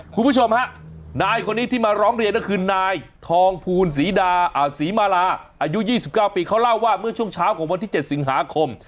คุณผู้ชมฮะนายคนนี้ที่มาร้องเรียนก็คือนายทองภูลศรีมาลาอายุ๒๙ปีเขาเล่าว่าเมื่อช่วงเช้าของวันที่๗สิงหาคม